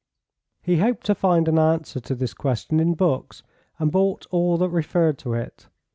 He hoped to find an answer to this question in books, and bought all that referred to it.